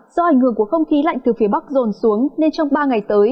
do ảnh hưởng của không khí lạnh từ phía bắc rồn xuống nên trong ba ngày tới